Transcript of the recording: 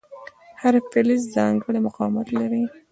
هر فلز ځانګړی مقاومت لري.